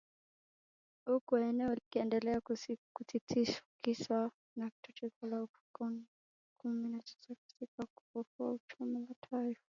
huku eneo hilo likiendelea kutikiswa na tatizo la UVIKO kumi na tisa katika kufufua uchumi wa taifa